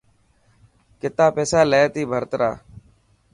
ڪتا پيسا لي تي ڀرت را.